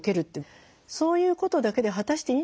そういうことだけで果たしていいんだろうか。